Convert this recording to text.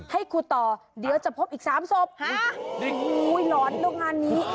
ให้ครูตอเดี๋ยวจะพบอีก๓ศพ